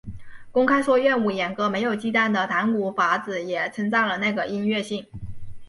公开说厌恶演歌没有忌惮的淡谷法子也称赞了那个音乐性。